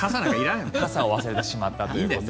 傘を忘れてしまったという。